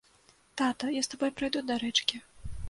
Тата, я з табой прайду да рэчкі.